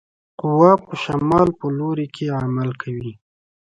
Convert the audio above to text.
قوه په شمال په لوري کې عمل کوي.